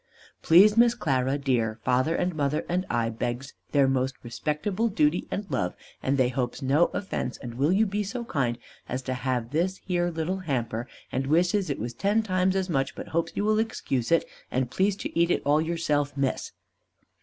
"Please Miss Clara dear, father and mother and I begs their most respectable duty and love and they hopes no offence and will you be so kind as to have this here little hamper and wishes it was ten times as much but hopes you will excuse it and please to eat it all yourself Miss.